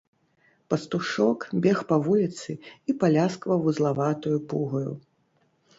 Пастушок бег па вуліцы і паляскваў вузлаватаю пугаю.